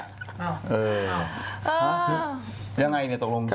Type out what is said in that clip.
ยังไงเนี่ยตกลง